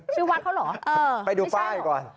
ชื่อวัดเขาเหรอไปดูป้ายก่อน